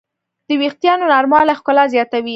د وېښتیانو نرموالی ښکلا زیاتوي.